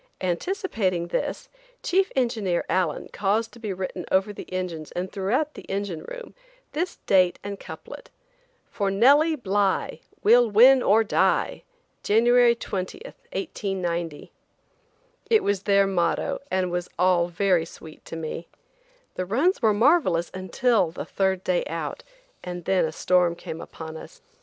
Anticipating this, Chief engineer Allen caused to be written over the engines and throughout the engine room, this date and couplet: "For Nellie Bly, We'll win or die. January 20, 1890." It was their motto and was all very sweet to me. The runs were marvelous until the third day out, and then a storm came upon us.